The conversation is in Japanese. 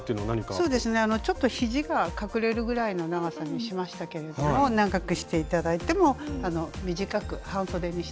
そうですねちょっとひじが隠れるぐらいの長さにしましたけれども長くして頂いても短く半そでにして頂いてもいいと思います。